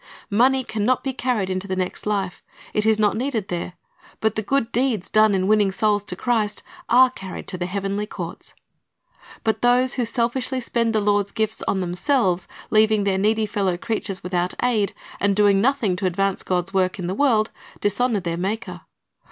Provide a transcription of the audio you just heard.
Money can not be carried into the next life; it is not needed there; but the good deeds done in winning souls to Christ are carried to the heavenly courts. But those who selfishly spend the Lord's gifts on themselves, leaving their needy fellow creatures without aid, and doing nothing to advance God's work in the world, dishonor their Maker.